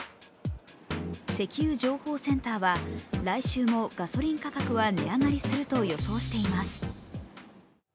石油情報センターは来週もガソリン価格は値上がりすると予想しています。